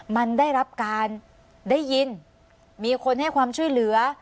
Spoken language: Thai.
มันได้รับการได้ยินมีคนให้ความช่วยเหลือ